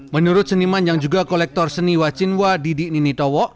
menurut seniman yang juga kolektor seni wacinwa didi ninitowo